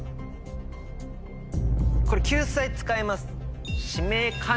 これ救済使います。